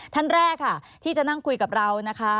ท่านแรกค่ะที่จะนั่งคุยกับเรานะคะ